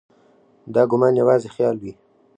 دا ګومان یوازې خیال وي.